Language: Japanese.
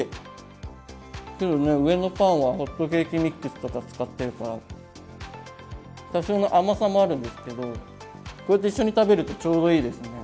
上のパンはホットケーキミックスとか使ってるから多少の甘さもあるんですけどこうやって一緒に食べるとちょうどいいですね。